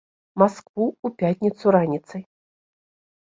Маскву ў пятніцу раніцай.